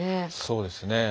そうですね。